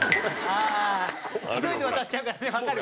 ああー急いで渡しちゃうからねわかる。